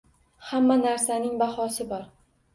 Hamma narsaning bahosi bor